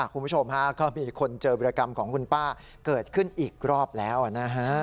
คุณผู้ชมฮะก็มีคนเจอวิรกรรมของคุณป้าเกิดขึ้นอีกรอบแล้วนะฮะ